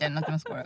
これ。